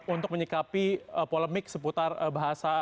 untuk menyikapi polemik seputar bahasa